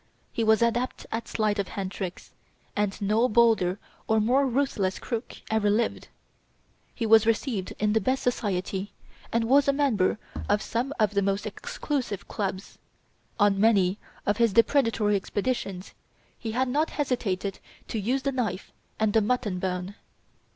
He was adept at sleight of hand tricks, and no bolder or more ruthless crook ever lived. He was received in the best society, and was a member of some of the most exclusive clubs. On many of his depredatory expeditions he had not hesitated to use the knife and the mutton bone.